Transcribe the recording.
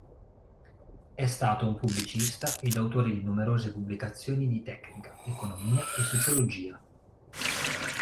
È stato un pubblicista ed autore di numerose pubblicazioni di Tecnica, Economia e Sociologia.